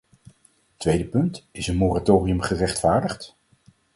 Tweede punt: is een moratorium gerechtvaardigd?